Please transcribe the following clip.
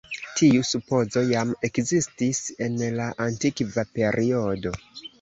Tiu supozo jam ekzistis en la antikva periodo.